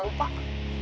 ya ganti neng